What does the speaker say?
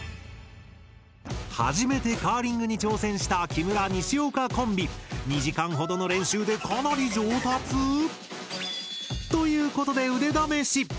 初めてカーリングに挑戦した木村・西岡コンビ２時間ほどの練習でかなり上達⁉ということで腕試し！